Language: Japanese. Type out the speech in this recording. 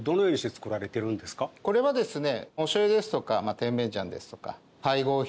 これはですね。